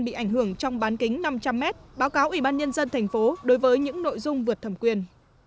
bị ảnh hưởng trong bán kính năm trăm linh m báo cáo ubnd tp đối với những nội dung vượt thẩm quyền